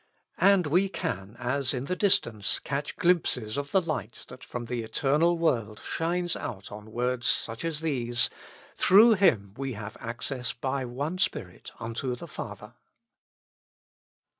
And we can, as in the distance, catch glimpses of the light that from the eternal world shines out on words such as these: "Through Him we have access by one Spirit unto the Father."